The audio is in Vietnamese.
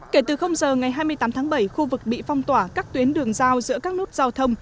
kể từ giờ ngày hai mươi tám tháng bảy khu vực bị phong tỏa các tuyến đường giao giữa các nút giao thông